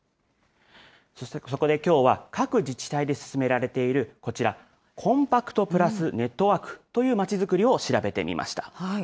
そこできょうは、各自治体で進められている、こちら、コンパクトプラスネットワークというまちづくりを調べてみました。